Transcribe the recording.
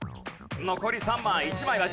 残り３枚。